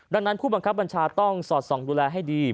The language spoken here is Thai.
ดังนั้นผู้บังคับบัญชาต้องสอดส่องดูแลให้ดี